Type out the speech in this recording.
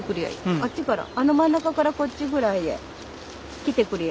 あっちからあの真ん中からこっちぐらいへ来てくりゃ。